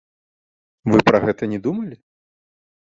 Вы пра гэта не думалі?